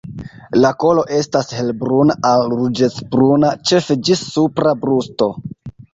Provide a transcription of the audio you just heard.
La kolo estas helbruna al ruĝecbruna ĉefe ĝis supra brusto.